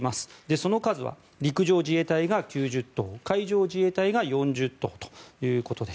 その数は陸上自衛隊が９０棟海上自衛隊が４０棟ということです。